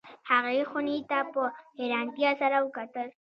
هغې خونې ته په حیرانتیا سره وکتل